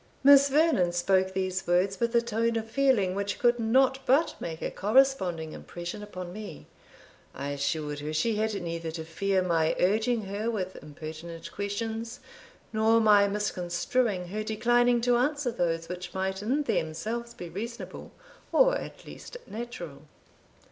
Miss Vernon spoke these words with a tone of feeling which could not but make a corresponding impression upon me. I assured her she had neither to fear my urging her with impertinent questions, nor my misconstruing her declining to answer those which might in themselves be reasonable, or at least natural.